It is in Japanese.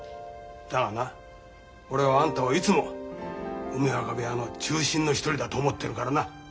だがな俺はあんたをいつも梅若部屋の中心の一人だと思ってるからな。